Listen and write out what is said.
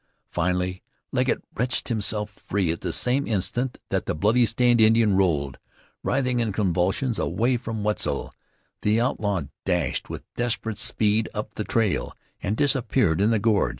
Finally Legget wrenched himself free at the same instant that the bloody stained Indian rolled, writhing in convulsions, away from Wetzel. The outlaw dashed with desperate speed up the trail, and disappeared in the gorge.